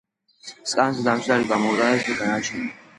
სკამზე დამჯდარი გამოუტანეს განაჩენი.